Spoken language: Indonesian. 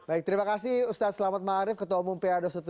baik terima kasih ustadz selamat malarif ketua umum pa dua ratus dua belas